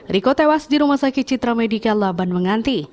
riko tewas di rumah sakit citra medica laban menganti